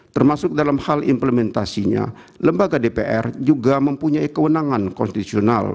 termasuk dalam hal implementasinya lembaga dpr juga mempunyai kewenangan konstitusional